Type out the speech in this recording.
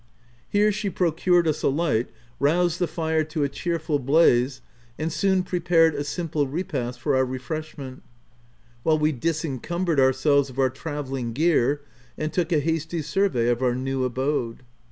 Here she procured us a light, roused the fire to a cheerful blaze, and soon prepared a simple repast for our refreshment ; while we disencumbered ourselves of our tra velling gear, and took a hasty survey of our new abode.